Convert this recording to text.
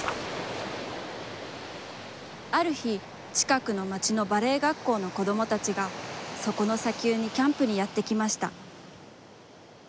ある日、ちかくの町のバレエ学校の子どもたちが、そこの砂丘に、キャンプにやってきました。